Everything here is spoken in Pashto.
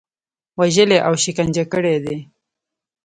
وژلي او شکنجه کړي دي.